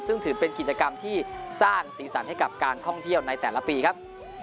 ซึ่งถือเป็นกิจกรรมที่สร้างสีสันให้กับการท่องเที่ยวในแต่ละปีครับ